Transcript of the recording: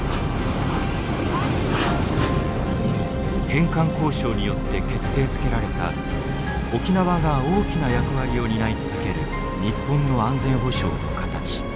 返還交渉によって決定づけられた沖縄が大きな役割を担い続ける日本の安全保障の形。